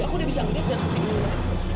aku udah bisa ngeliat dan ngeliat